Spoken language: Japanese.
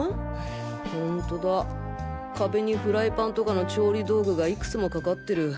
ホントだ壁にフライパンとかの調理道具がいくつもかかってる。